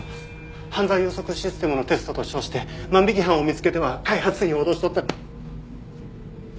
犯罪予測システムのテストと称して万引き犯を見つけては開発費を脅し取ったり。